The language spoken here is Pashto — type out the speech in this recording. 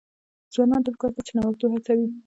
ځوانانو ته پکار ده چې، نوښت هڅوي.